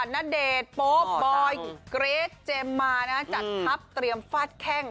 ณเดชน์โป๊บบอยเกรทเจมส์มานะจัดทัพเตรียมฟาดแข้ง